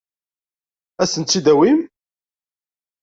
Ad sent-tt-id-awin?